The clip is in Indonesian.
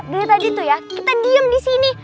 dia tadi tuh ya kita diem di sini